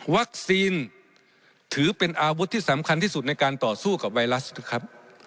ถือเป็นอาวุธที่สำคัญที่สุดในการต่อสู้กับไวรัสนะครับ